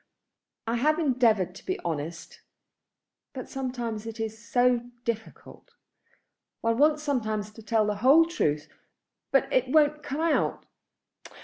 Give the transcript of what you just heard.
"I have endeavoured to be honest; but sometimes it is so difficult. One wants sometimes to tell the whole truth, but it won't come out.